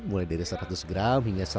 mulai dari seratus gram hingga satu kilogram